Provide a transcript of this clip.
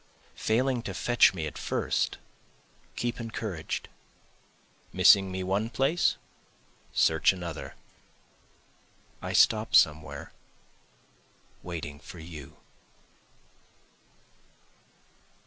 Failing to fetch me at first keep encouraged, Missing me one place search another, I stop somewhere waiting for you.